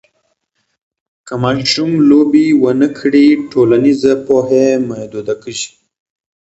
که ماشوم لوبې ونه کړي، ټولنیزه پوهه یې محدوده کېږي.